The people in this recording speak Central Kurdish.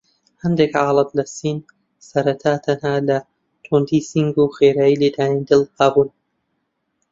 هەندێک حاڵەت لە سین سەرەتا تەنها لە توندی سینگ و خێرا لێدانی دڵ هەبوون.